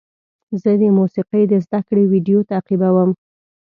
زه د موسیقۍ د زده کړې ویډیو تعقیبوم.